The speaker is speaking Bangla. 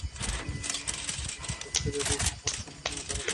একেএম এর বোল্ট ক্যারিয়ার ওজন কম, সামান্য এবং তার আকৃতির কিছু ক্ষুদ্র পার্থক্য আছে।